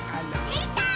できたー！